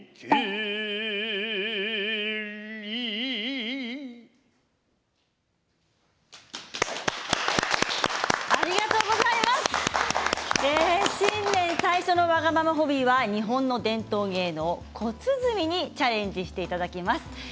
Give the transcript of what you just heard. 新年最初の「わがままホビー」は日本の伝統芸能小鼓にチャレンジしていただきます。